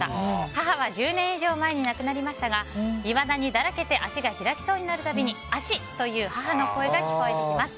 母は１０年以上前に亡くなりましたがいまだにだらけて足が開きそうになるたび「足！」という母の声が聞こえてきます。